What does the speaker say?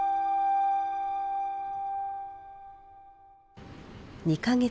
２か月後。